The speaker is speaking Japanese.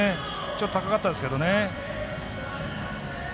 ちょっと高かったですけどね。